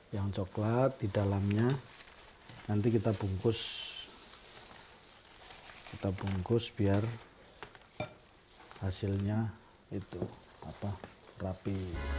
yang coklat di dalamnya nanti kita bungkus kita bungkus biar hasilnya itu rapi